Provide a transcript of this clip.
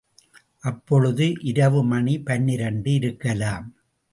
அப்பொழுது இரவு மணி பனிரண்டு இருக்கலாம்.